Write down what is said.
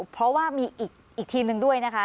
เพราะว่ามีอีกทีมหนึ่งด้วยนะคะ